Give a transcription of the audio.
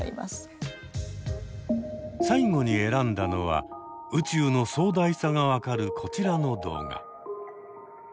最後に選んだのは宇宙の壮大さが分かるこちらの動画。